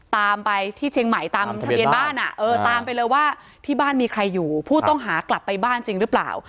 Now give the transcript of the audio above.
ตามไปที่เชียงใหม่ตามทะเบียนบ้านตามไปเลยว่าที่บ้านมีใครอยู่ผู้ต้องหากลับไปบ้านจริงหรือเปล่า